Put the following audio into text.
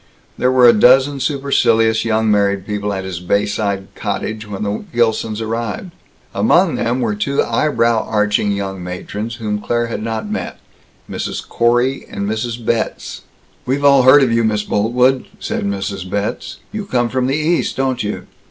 There were a dozen supercilious young married people at his bayside cottage when the Gilsons arrived. Among them were two eyebrow arching young matrons whom Claire had not met Mrs. Corey and Mrs. Betz. "We've all heard of you, Miss Boltwood," said Mrs. Betz. "You come from the East, don't you?"